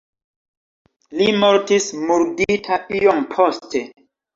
Li mortis murdita iom poste.